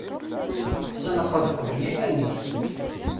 Senqed qbel iman-ik.